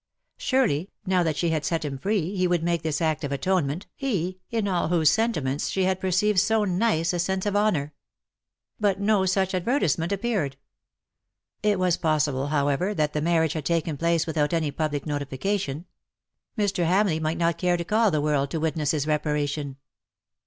Surely, now that she had set him free, he would make this act of atonement, he, in all whose sentiments she had perceived so nice a sense of honour. But no such advertisement appeared. It was possible, however, that the mar riage had taken place without any public notifica tion. Mr. Hamleigh might not care to call the world to witness his reparation.